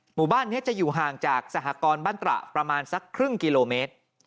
หมู่บ้านนี้จะอยู่ห่างจากสหกรบ้านตระประมาณสักครึ่งกิโลเมตร